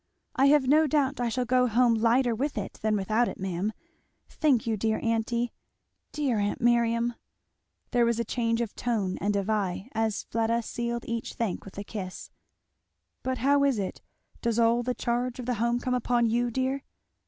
"I have no doubt I shall go home lighter with it than without it, ma'am, thank you, dear aunty! dear aunt Miriam!" There was a change of tone, and of eye, as Fleda sealed each thank with a kiss. "But how is it? does all the charge of the house come upon you, dear?"